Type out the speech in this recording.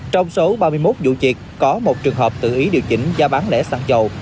trong số ba mươi một vụ việc có một trường hợp tự ý điều chỉnh giá bán lẻ xăng dầu